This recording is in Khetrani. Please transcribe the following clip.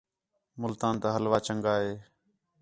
ملتان تا حلوہ چَنڳا ہے